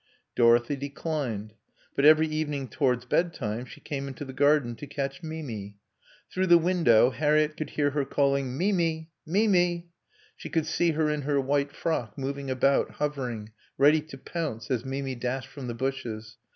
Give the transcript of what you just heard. Dorothy declined. But every evening, towards bedtime, she came into the garden to catch Mimi. Through the window Harriett could hear her calling: "Mimi! Mimi!" She could see her in her white frock, moving about, hovering, ready to pounce as Mimi dashed from the bushes.